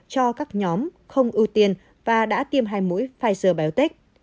trong báo cáo các nhóm không ưu tiên và đã tiêm hai mũi pfizer biontech